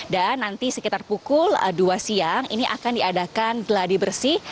dan nanti sekitar pukul dua siang ini akan diadakan geladi bersih